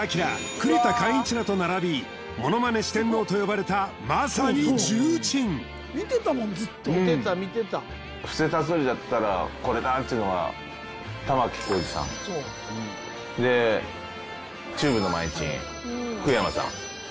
栗田貫一らと並びモノマネ四天王と呼ばれたまさに重鎮見てたもんずっと見てた見てた布施辰徳だったらこれだ！っていうのは玉置浩二さんでＴＵＢＥの前ちん福山さん